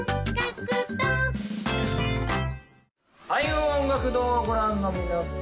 開運音楽堂をご覧の皆さん